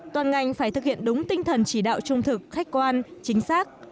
toàn ngành phải thực hiện đúng tinh thần chỉ đạo trung thực khách quan chính xác